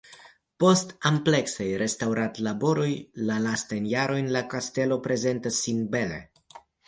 Post ampleksaj restaŭradlaboroj la lastajn jarojn la kastelo prezentas sin bele.